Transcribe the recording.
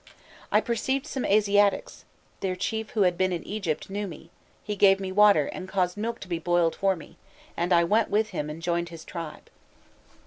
I perceived some Asiatics; their chief, who had been in Egypt, knew me; he gave me water, and caused milk to be boiled for me, and I went with him and joined his tribe."